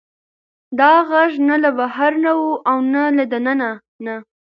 دا غږ نه له بهر نه و او نه له دننه نه.